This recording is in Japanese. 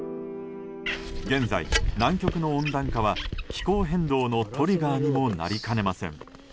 現在、南極の温暖化は気候変動のトリガーにもなりかねません。